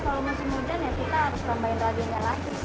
kalau musim hujan ya kita harus tambahin radionya lagi